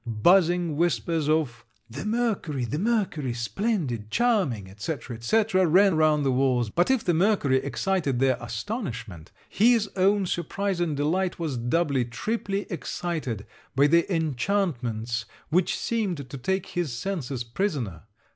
Buzzing whispers of the Mercury! the Mercury! Splendid! charming! &c. &c. ran round the walls; but, if the Mercury excited their astonishment, his own surprise and delight was doubly triply excited by the enchantments which seemed to take his senses prisoner.